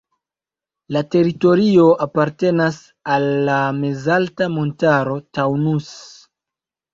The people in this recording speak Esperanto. La teritorio apartenas al la mezalta montaro Taunus.